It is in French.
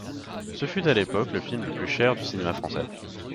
Ce fut, à l'époque, le film le plus cher du cinéma français.